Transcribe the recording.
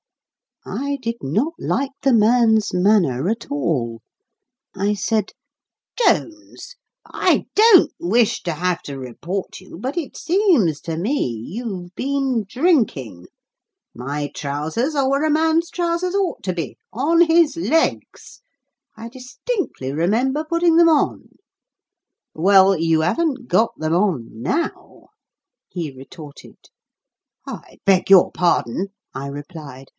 I did not like the man's manner at all. I said, "Jones! I don't wish to have to report you, but it seems to me you've been drinking. My trousers are where a man's trousers ought to be on his legs. I distinctly remember putting them on." "Well, you haven't got them on now," he retorted. "I beg your pardon," I replied.